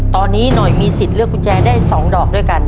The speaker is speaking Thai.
ตอนนี้หน่อยมีสิทธิ์เลือกกุญแจได้๒ดอกด้วยกัน